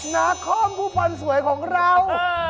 นาคอมผู้พันธุ์สวยของเรา